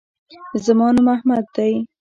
زما نوم احمد دی